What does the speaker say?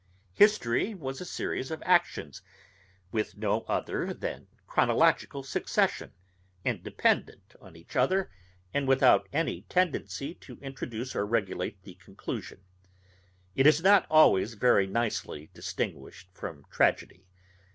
History was a series of actions, with no other than chronological succession, independent on each other, and without any tendency to introduce or regulate the conclusion. It is not always very nicely distinguished from tragedy.